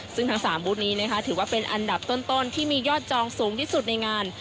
ซึ่งทั้ง๓บูธนี้นะคะถือว่าเป็นอันดับต้นที่มียอดจองสูงที่สุดในงาน